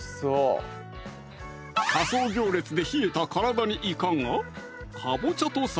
仮装行列で冷えた体にいかが？